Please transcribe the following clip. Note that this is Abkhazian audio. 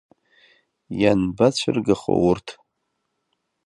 Ианбацәыргахо урҭ?